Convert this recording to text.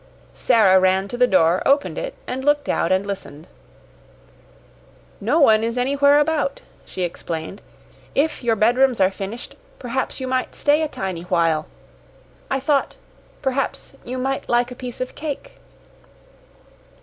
Sara ran to the door, opened it, and looked out and listened. "No one is anywhere about," she explained. "If your bedrooms are finished, perhaps you might stay a tiny while. I thought perhaps you might like a piece of cake."